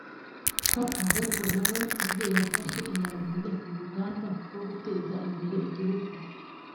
ko ahubwo na we ubwe yafashe iya mbere mu rugamba rwo guteza imbere igihugu